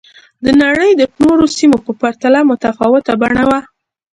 د نړۍ د نورو سیمو په پرتله متفاوته بڼه وه